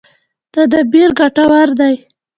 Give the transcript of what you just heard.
تدبیر ګټور دی.